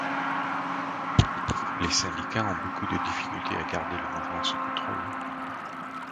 Les syndicats ont beaucoup de difficultés à garder le mouvement sous contrôle.